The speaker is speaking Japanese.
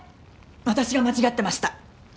私が間違ってました。